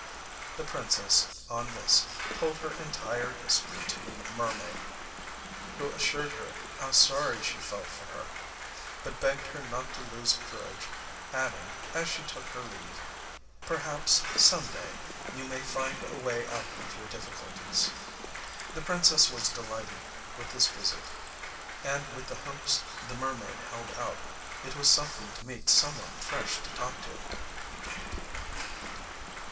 The princess, on this, told her entire history to the mermaid, who assured her how sorry she felt for her, but begged her not to lose courage; adding, as she took her leave: Perhaps, some day, you may find a way out of your difficulties.' The princess was delighted with this visit and with the hopes the mermaid held out. It was something to meet someone fresh to talk to.